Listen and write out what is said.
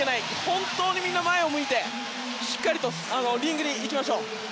本当にみんな前を向いてしっかりとリングに行きましょう。